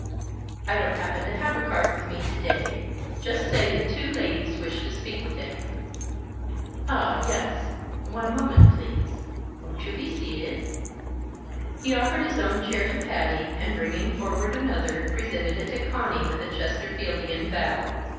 "I don't happen to have a card with me to day. Just say that two ladies wish to speak with him." "Ah, yes. One moment, please Won't you be seated?" He offered his own chair to Patty, and bringing forward another, presented it to Conny with a Chesterfieldian bow.